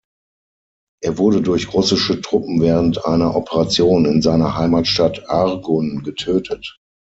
Er wurde durch russische Truppen während einer Operation in seiner Heimatstadt Argun getötet.